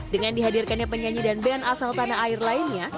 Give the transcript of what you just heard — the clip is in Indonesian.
dengan dihadirkannya penyanyi dan band asal tanah air lainnya